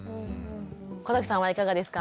小さんはいかがですか？